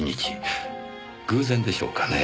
偶然でしょうかねぇ。